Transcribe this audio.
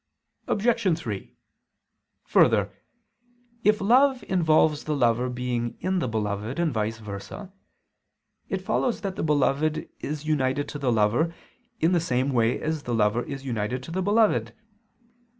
Obj. 3: Further, if love involves the lover being in the beloved and vice versa, it follows that the beloved is united to the lover, in the same way as the lover is united to the beloved.